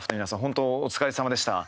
本当お疲れさまでした。